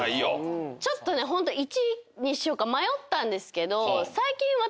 ホント１にしようか迷ったんですけど。